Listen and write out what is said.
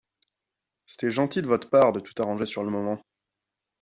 C'était gentil de votre part de tout arranger sur le moment.